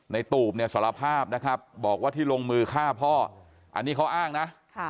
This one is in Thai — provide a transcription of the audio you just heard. ตูบเนี่ยสารภาพนะครับบอกว่าที่ลงมือฆ่าพ่ออันนี้เขาอ้างนะ